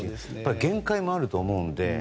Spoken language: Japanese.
限界もあると思うので。